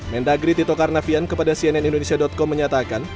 mendagri tito karnavian kepada cnn indonesia com menyatakan